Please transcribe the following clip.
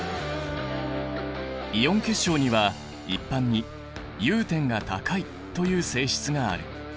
イオン結晶には一般に融点が高いという性質がある。